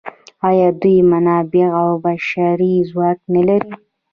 آیا دوی منابع او بشري ځواک نلري؟